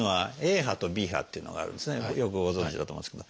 よくご存じだと思いますけど。